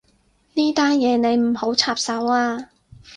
呢單嘢你唔好插手啊